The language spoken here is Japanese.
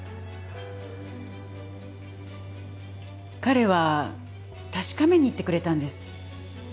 彼は確かめに行ってくれたんです。